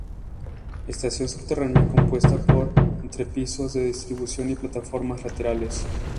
Estación subterránea compuesta por entrepiso de distribución y plataformas laterales.